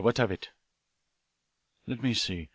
What of it?" "Let me see.